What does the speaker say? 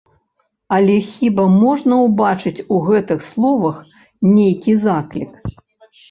Але хіба можна ўбачыць у гэтых словах нейкі заклік?